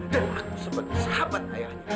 dan aku sebagai sahabat ayah